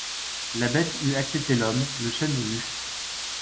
La bête eût accepté l’homme ; le chêne l’eût